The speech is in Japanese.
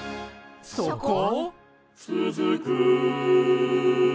そこ？